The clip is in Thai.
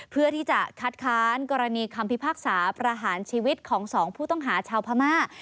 เพื่อที่จะคัดค้านกรณีคำพิพากษาประหารชีวิตของสองผู้ต้องหาชาวพม่า